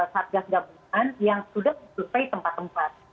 satgas gabungan yang sudah survei tempat tempat